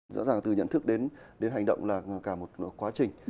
rõ ràng từ nhận thức đến hành động là cả một quá trình